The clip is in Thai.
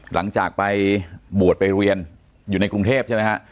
หลังจากไปบวชไปเรียนอยู่ในกรุงเทพใช่ไหมฮะ